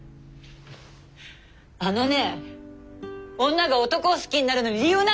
あのね女が男を好きになるのに理由なんかないの！